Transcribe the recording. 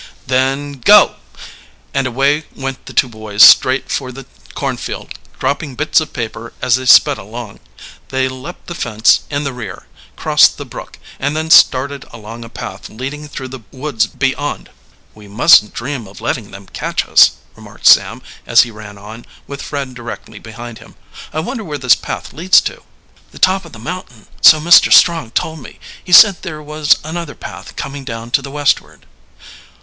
"Then go!" And away went the two boys straight for the cornfield, dropping bits of paper as they sped along. They leaped the fence in the rear, crossed the brook, and then started along a path leading through the woods beyond. "We mustn't dream of letting them catch us," remarked Sam, as he ran on, with Fred directly behind him. "I wonder where this path leads to?" "The top of the mountain, so Mr. Strong told me. He said there was another path coming down to the westward."